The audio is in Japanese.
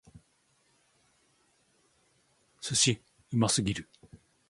寿司！うますぎる！